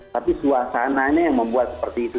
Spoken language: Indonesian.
tapi suasananya yang membuat seperti itu